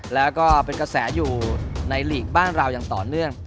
แล้วก็เป็นกระแสอยู่ในหลีกบ้านเราอย่างต่อเนื่อง